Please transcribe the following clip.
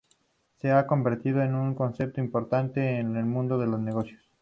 Se ha convertido en un concepto importante en el mundo de los negocios.